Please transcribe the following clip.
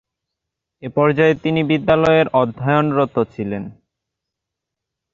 এ পর্যায়ে তিনি বিদ্যালয়ে অধ্যয়নরত ছিলেন।